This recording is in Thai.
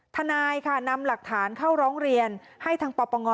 ทนายค่ะนำหลักฐานเข้าร้องเรียนให้ทางปปง